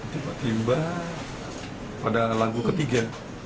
tiba tiba pada lagu ketiga